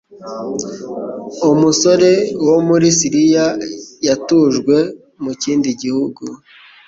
Umsore wo muri Siriya yatujwe mu kindi gihugu,